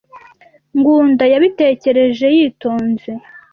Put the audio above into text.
Ngunda yabitekereje yitonze.